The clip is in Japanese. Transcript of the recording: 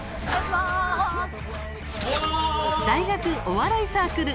大学お笑いサークル。